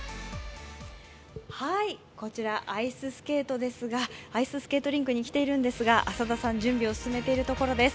こちらアイススケートリンクに来ているんですが浅田さん、準備を進めているところです。